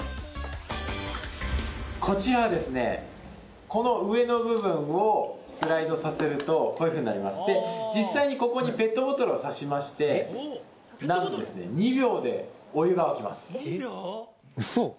こちらはですね、この上の部分をスライドさせると、こうなりまして、実際にここにペットボトルを差しまして、なんと２秒でお湯が沸きます。